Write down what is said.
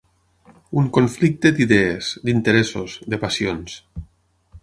Un conflicte d'idees, d'interessos, de passions.